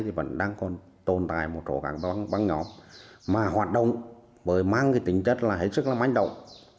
thì vẫn đang còn tồn tại một số các băng nhóm mà hoạt động bởi mang cái tính chất là hết sức là manh động